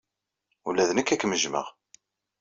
Ula d nekk ad kem-jjmeɣ.